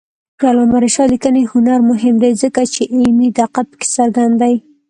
د علامه رشاد لیکنی هنر مهم دی ځکه چې علمي دقت پکې څرګند دی.